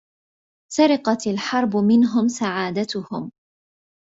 سرقت الحرب منهم سعادتهم.